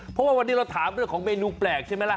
เพราะว่าวันนี้เราถามเรื่องของเมนูแปลกใช่ไหมล่ะ